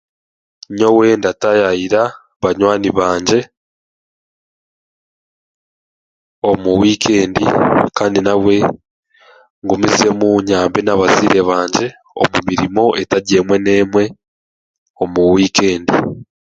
Nyowe ndataayayira banywani bangye omu wiikendi kandi nabwe ngumizemu nyambe n'abazaire bangye omu mirimo etari emwe n'emwe omu wiikendi